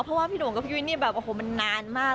เพราะว่าพี่หน่งกับพี่ยุ้ยนี่แบบโอ้โหมันนานมาก